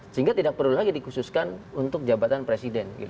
sehingga tidak perlu lagi dikhususkan untuk jabatan presiden